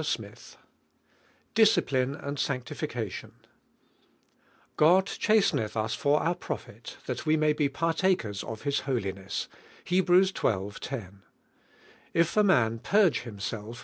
Chapter XH, DISCIPLINE AND SANCTIFICATION God chastenelh ua for our prof! I. Iliat we may be partakers of His holiness (Hel>. jell. 10). If a man .... purge himself